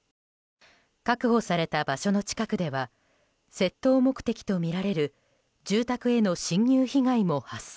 確保された場所の近くでは窃盗目的とみられる住宅への侵入被害も発生。